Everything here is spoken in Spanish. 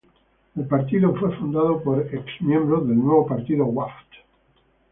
El partido fue fundado por ex miembros del Nuevo Partido Wafd.